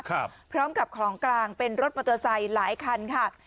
พร้อมกับของกลางเป็นรถมอเตอร์ไซค์หลายคันค่ะ